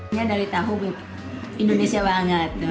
dia dari tahu indonesia banget